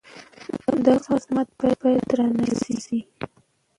د هغه زحمت باید درناوی شي.